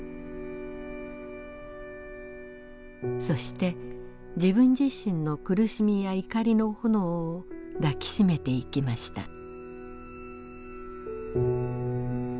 そして自分自身の苦しみや怒りの炎を抱きしめていきました。